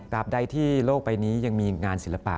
ใดที่โลกใบนี้ยังมีงานศิลปะ